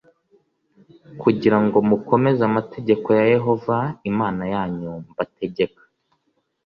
kugira ngo mukomeze amategeko ya Yehova Imana yanyu mbategeka. “